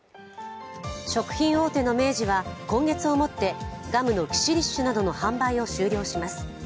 食品大手の明治は今月をもってガムのキシリッシュなどの販売を終了します。